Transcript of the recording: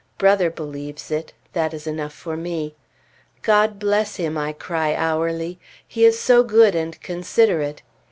Brother believes it. That is enough for me. God bless him! I cry hourly. He is so good and considerate.